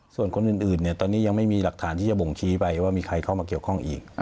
ส่วนคนอื่นตอนนี้ยังไม่มีหลักฐานที่จะบ่งชี้ไปว่ามีใครเข้ามาเกี่ยวข้องอีก